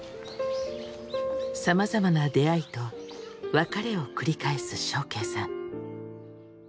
さまざまな出会いと別れを繰り返す祥敬さん。